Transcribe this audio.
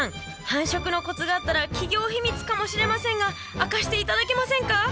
繁殖のコツがあったら企業秘密かもしれませんが明かして頂けませんか？